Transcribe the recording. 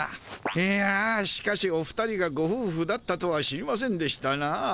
いやしかしお二人がごふうふだったとは知りませんでしたなぁ。